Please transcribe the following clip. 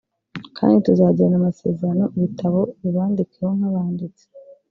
kandi tuzagirana amasezerano ibitabo byabo bibandikweho nk’abanditsi